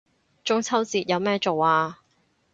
中秋節有咩做啊